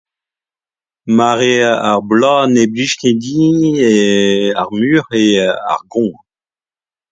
Mare ar bloaz ne blij ket din eo... , ar muioc'h, eo ar goañv